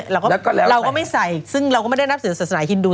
เราก็ไม่ใส่ซึ่งเราก็ไม่ได้นับถือศาสนาฮินดู